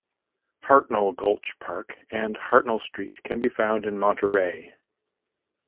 Hartnell Gulch Park and Hartnell Street can be found in Monterey.